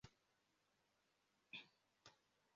Wagize icyumweru cyo gukora ibi Uzi byinshi kuri ibi